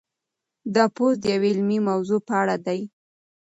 دا پوسټ د یوې علمي موضوع په اړه دی.